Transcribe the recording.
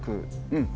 うん！